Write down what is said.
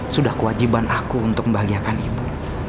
sudah kewajiban aku untuk membahagiakan ibu